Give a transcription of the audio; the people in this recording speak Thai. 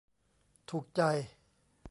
ถูกใจ